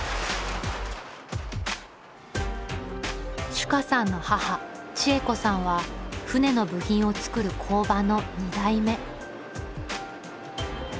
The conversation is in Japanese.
珠夏さんの母・知恵子さんは船の部品を作る工場の２代目。